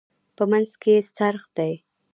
په منځ کې یې څرخ دی.